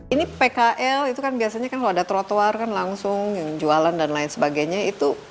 ini pkl itu kan biasanya kan kalau ada trotoar kan langsung yang jualan dan lain sebagainya itu